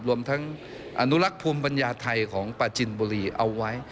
รวมทั้งอนุรักษ์ภูมิปัญญาไทยของปาจินบุรีเอาไว้